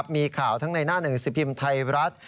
มีข่าวทั้งในหน้าหนึ่งสิบพิมพ์ไทยรัฐ